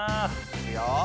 いくよ。